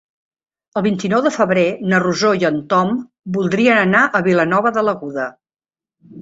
El vint-i-nou de febrer na Rosó i en Tom voldrien anar a Vilanova de l'Aguda.